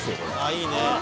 いいね。